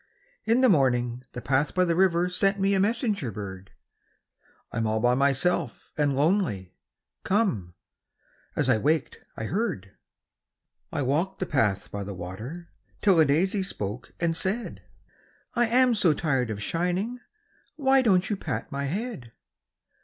In the morning the path by the river Sent me a messenger bird,— "I'm all by myself and lonely, Come," as I waked I heard. I walked the path by the water, Till a daisy spoke and said, "I am so tired of shining; Why don't you pat my head?"